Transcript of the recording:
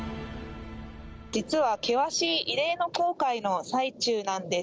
実は険しい異例の航海の最中なんです。